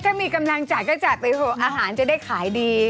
ถ้ามีกำลังจัดก็จะอาหารจะได้ขายดี